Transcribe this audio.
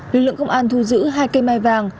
lực lượng công an thu giữ hai cây mai vàng